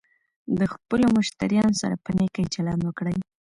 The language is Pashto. د خپلو مشتریانو سره په نېکۍ چلند وکړئ.